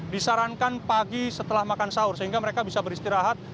disarankan pagi setelah makan sahur sehingga mereka bisa beristirahat